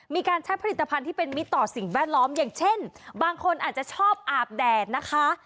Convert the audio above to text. มีการใช้ผลิตภัณฑ์ที่เป็นมิตรต่อสิ่งแวดล้อมอย่างเช่นบางคนอาจจะชอบอาบแดดนะคะ